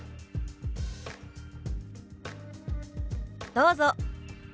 どうぞ。